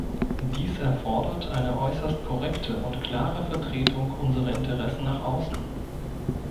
Dies erfordert eine äußerst korrekte und klare Vertretung unserer Interessen nach außen.